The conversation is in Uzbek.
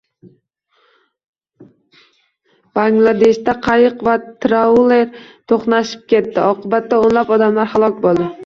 Bangladeshda qayiq va trauler to‘qnashib ketdi. Oqibatda o‘nlab odamlar halok bo‘ldi